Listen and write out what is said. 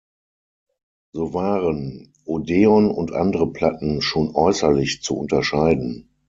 So waren Odeon- und andere Platten schon äußerlich zu unterscheiden.